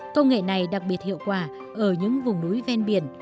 công nghệ này đặc biệt hiệu quả ở những vùng núi ven biển